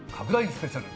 スペシャル